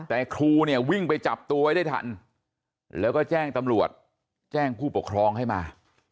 แต่ครูเนี่ยวิ่งไปจับตัวไว้ได้ทันแล้วก็แจ้งตำรวจแจ้งผู้ปกครองให้มา